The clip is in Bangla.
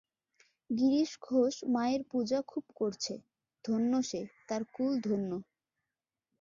গিরিশ ঘোষ মায়ের পূজা খুব করছে, ধন্য সে, তার কুল ধন্য।